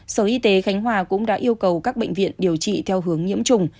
sở y tế khánh hòa cũng đã yêu cầu các bệnh viện điều trị theo hướng nhiễm trùng